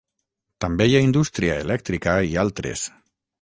També hi ha indústria elèctrica i altres.